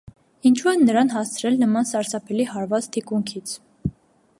Ինչո՞ւ են նրան հասցրել նման սարսափելի հարված թիկունքից։